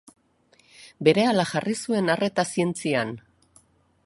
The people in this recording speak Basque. Berehala jarri zuen arreta zientzian.